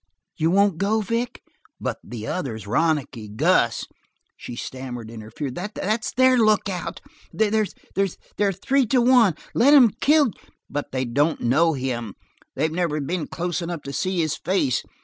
"You won't go, Vic?" "But the others! Ronicky Gus " She stammered in her fear. "That's their lookout! They're three to one. Let them kill " "But they don't know him. They've never been close enough to see his face.